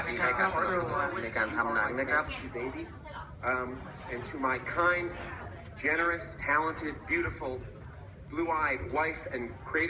แล้วก็คงจะเหมือนกับเป็นหนังที่รู้แล้วรู้อีกรู้แล้วรู้อีกนะครับ